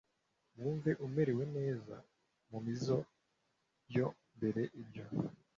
wumve umerewe neza mu mizo ya mbere ibyo